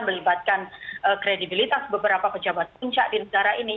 melibatkan kredibilitas beberapa pejabat puncak di negara ini